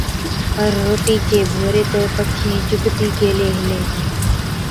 پَر روٽِي چي ڀوري تہ پَکِيئَين چُگتِي گيلين هِلين،